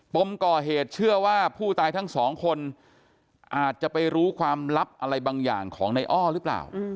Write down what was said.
มก่อเหตุเชื่อว่าผู้ตายทั้งสองคนอาจจะไปรู้ความลับอะไรบางอย่างของในอ้อหรือเปล่า